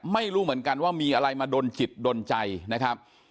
ไม่รู้เหมือนกันว่ามีอะไรมาดนจิตดนใจนะครับ